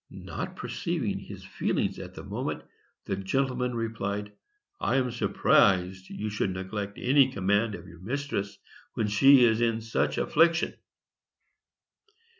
Not perceiving his feelings at the moment, the gentleman replied, "I am surprised that you should neglect any command of your mistress, when she is in such affliction."